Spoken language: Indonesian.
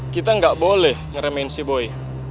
kita enggak boleh ngeremehin si boy